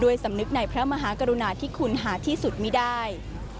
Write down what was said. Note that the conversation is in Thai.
ด้วยสำนึกไหนพระมหากรุณาศิคคุณหาที่สุดนีได้